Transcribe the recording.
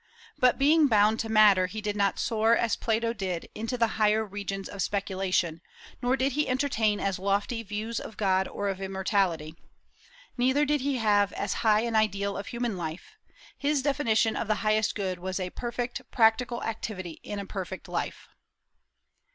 But being bound to matter, he did not soar, as Plato did, into the higher regions of speculation; nor did he entertain as lofty views of God or of immortality. Neither did he have as high an ideal of human life; his definition of the highest good was a perfect practical activity in a perfect life.